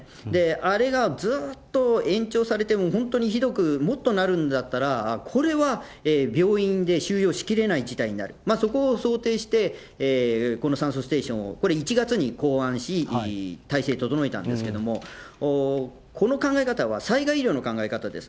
あれがずっと延長されて、本当にひどくもっとなるんだったら、これは病院で収容しきれない事態になる、そこを想定して、この酸素ステーションを、これ、１月に考案し、体制整えたんですけれども、この考え方は災害医療の考え方です。